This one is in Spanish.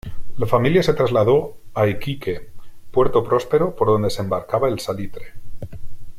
La familia se trasladó a Iquique, puerto próspero por donde se embarcaba el salitre.